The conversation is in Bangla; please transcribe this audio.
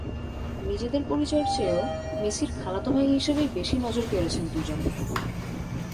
নিজেদের পরিচয়ের চেয়েও মেসির খালাতো ভাই হিসেবেই বেশি নজর কেড়েছেন দুজন।